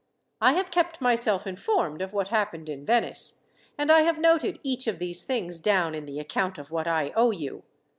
I have kept myself informed of what happened in Venice, and I have noted each of these things down in the account of what I owe you.